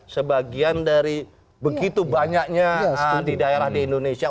sebagian dari begitu banyaknya di daerah di indonesia